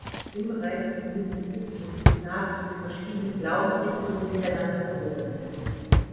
Im Bereich des Mystizismus sieht Nasr die verschiedenen Glaubensrichtungen miteinander verbunden.